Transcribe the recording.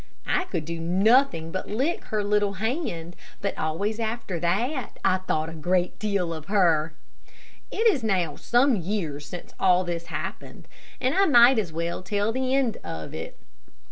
I could do nothing but lick her little hand, but always after that I thought a great deal of her. It is now some years since all this happened, and I might as well tell the end of it.